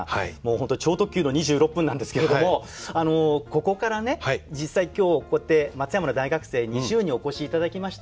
本当に超特急の２６分なんですけれどもここからね実際今日こうやって松山の大学生２０人お越しいただきました。